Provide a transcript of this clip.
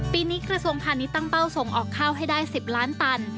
ปีนี้กระทรวงพาณิชย์ตั้งเป้าส่งออกข้าวให้ได้๑๐ล้านตัน